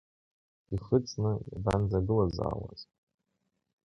Ихыҵны иабанӡагылазаауаз.